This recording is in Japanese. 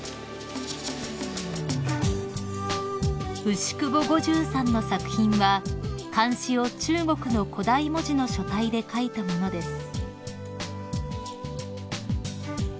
［牛窪梧十さんの作品は漢詩を中国の古代文字の書体で書いたものです］